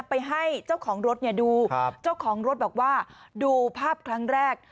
ไปให้เจ้าของรถดูเจ้าของรถบอกว่าดูภาพครั้งแรก